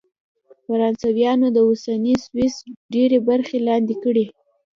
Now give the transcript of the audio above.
فرانسویانو د اوسني سویس ډېرې برخې لاندې کړې.